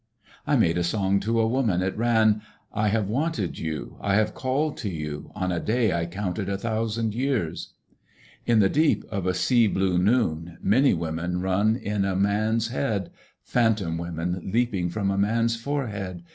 I made a song to a woman: — it ran: I have wanted you. I have called to you on a day I counted a thousand years. In the deep of a sea blue noon many women run in a man's bead, phantom women leaping from a man's forehead ..